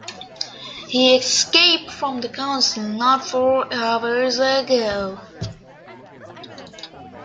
He escaped from the Council not four hours ago.